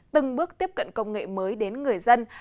từng bước tiếp cận công nghệ mới đến người dân